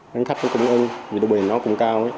nên khách cũng ưa vì độ bình nó cũng cao